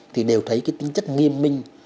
thì đều thấy cái tính chất nghiêm minh